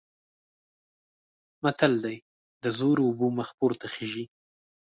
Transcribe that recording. متل دی: د زورو اوبه مخ پورته خیژي.